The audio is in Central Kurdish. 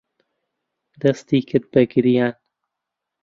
دەستی کرد بە گریان.